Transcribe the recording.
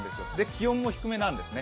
気温も低めなんですね。